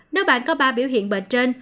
nếu bạn có ba biểu hiện bệnh trên